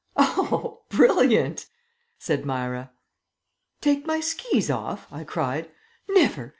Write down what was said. "Oh, brilliant!" said Myra. "Take my skis off?" I cried. "Never!